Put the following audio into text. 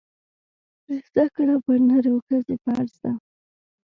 زده کړه پر نر او ښځي فرځ ده